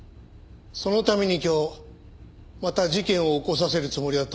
そのために今日また事件を起こさせるつもりだったんですね。